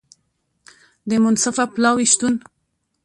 د منصفه پلاوي شتون